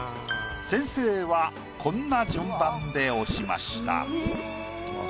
先生はこんな順番で押しました。